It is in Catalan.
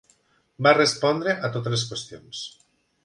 Va respondre a totes les qüestions.